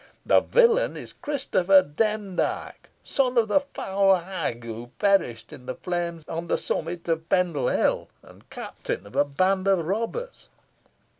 The villain is Christopher Demdike, son of the foul hag who perished in the flames on the summit of Pendle Hill, and captain of a band of robbers."